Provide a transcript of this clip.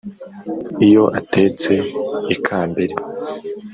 iyo atetse i kambere